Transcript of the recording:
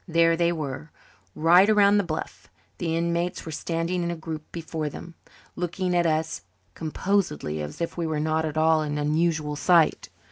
There they were, right around the bluff. The inmates were standing in a group before them, looking at us as composedly as if we were not at all an unusual sight.